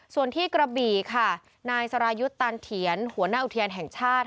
ส่วนที่กระบี่ค่ะนายสรายุทธ์ตันเถียนหัวหน้าอุทยานแห่งชาติ